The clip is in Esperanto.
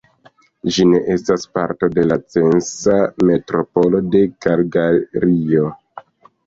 Ĝi ne estas parto de la Censa Metropolo de Kalgario.